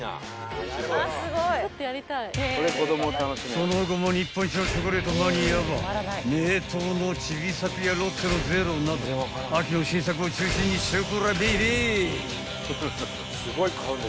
［その後も日本一のチョコレートマニアは名糖のちびさくやロッテのゼロなど秋の新作を中心にショコラベイベー］